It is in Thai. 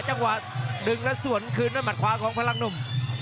จังหวะดึงแล้วสวนคืนด้วยหมัดขวาของพลังหนุ่ม